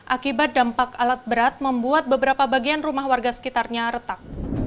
akibat dampak alat berat membuat beberapa bagian rumah warga sekitarnya retak